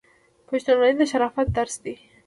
پښتونولي د شرافت درس دی.